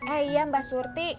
eh iya mbak surti